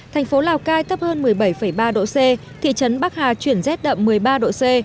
thành phố lào cai tấp hơn một mươi bảy ba độ c thị trấn bắc hà chuyển rét đậm một mươi ba độ c